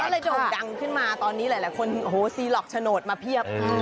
แล้วเลยจบกังขึ้นมาตอนนี้หลายคนซีหลอกฉโนตมาเพียบ